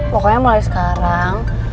pokoknya mulai sekarang